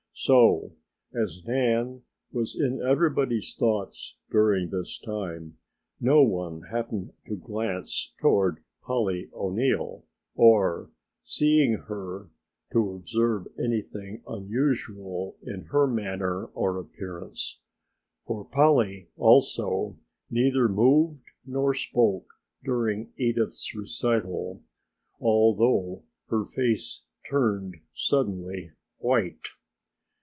So as Nan was in everybody's thoughts during this time no one happened to glance toward Polly O'Neill or, seeing her, to observe anything unusual in her manner or appearance, for Polly also neither moved nor spoke during Edith's recital, although her face turned suddenly white.